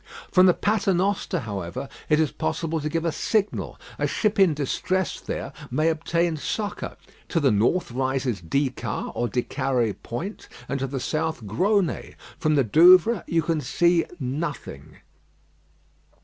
From the Paternoster, however, it is possible to give a signal a ship in distress there may obtain succour. To the north rises Dicard or D'Icare Point, and to the south Grosnez. From the Douvres you can see nothing.